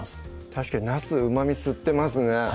確かになすうまみ吸ってますね